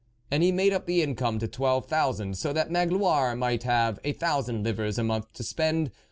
And he made up the income to twelve thousand, so that Magloire might have a thousand livres a month to spend.